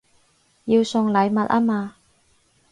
要送禮物吖嘛